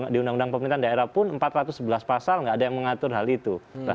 di undang undang pemerintahan daerah pun empat ratus sebelas pasal nggak ada yang mengatur hal itu